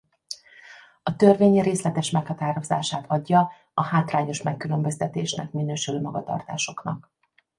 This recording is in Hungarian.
A törvény részletes meghatározását adja a hátrányos megkülönböztetésnek minősülő magatartásoknak.